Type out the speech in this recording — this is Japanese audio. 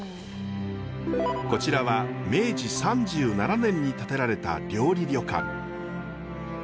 こちらは明治３７年に建てられた料理旅館。